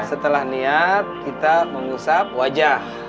setelah niat kita mengusap wajah